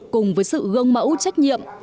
cùng với sự gương mẫu trách nhiệm